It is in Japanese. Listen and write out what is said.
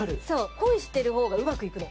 恋してる方がうまくいくの。